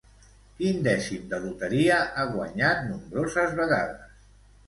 Quin dècim de loteria ha guanyat nombroses vegades?